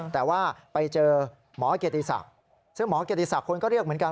แต่ว่าไปเจอหมอเกียรติศักดิ์ซึ่งหมอเกียรติศักดิ์คนก็เรียกเหมือนกัน